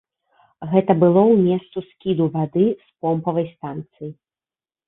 Гэта было ў месцы скіду вады з помпавай станцыі.